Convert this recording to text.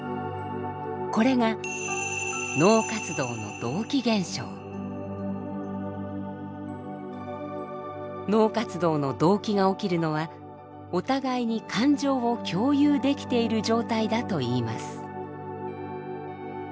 これが脳活動の同期が起きるのはお互いに感情を共有できている状態だといいます。